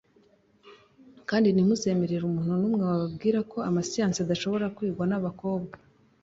kandi ntimuzemerere umuntu n’umwe wababwira ko amasiyansi adashobora kwigwa n’abakobwa